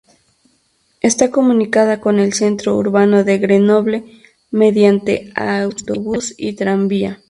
Está comunicada con el centro urbano de Grenoble mediante a autobús y tranvía.